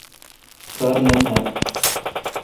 کار نہ تھال۔